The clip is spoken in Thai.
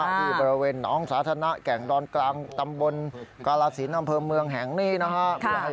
ที่บริเวณหนองสาธารณะแก่งดอนกลางตำบลกาลสินอำเภอเมืองแห่งนี้นะครับ